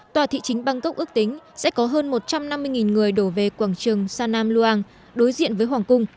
tòa thị chính bangkok ước tính sẽ có hơn một trăm năm mươi người đổ về quảng trường sanam luang đối diện với hoàng cung